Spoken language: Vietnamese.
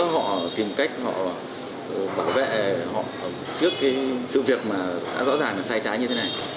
họ tìm cách họ bảo vệ họ trước cái sự việc mà rõ ràng là sai trái như thế này